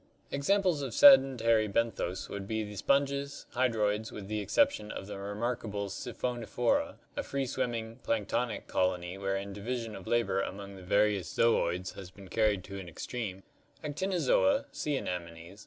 Examples of sedentary benthos would be the sponges; hydroids, with the exception of the remarkable Siphonophora, a free swimming (planktonic) colony wherein division of labor among the various zooids has been carried to an extreme; Actinozoa, sea anemones (Fig.